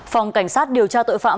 phòng cảnh sát điều tra tội phạm